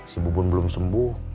si bubun belum sembuh